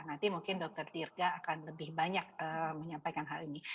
nanti mungkin dokter tirga akan lebih banyak menyampaikan hal ini